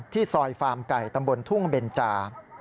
ซอยฟาร์มไก่ตำบลทุ่งเบนจา